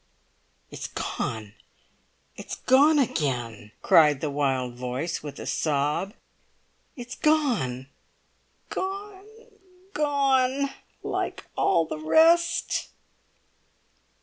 "It's gone! It's gone again!" cried the wild voice, with a sob; "it's gone, gone, gone like all the rest!"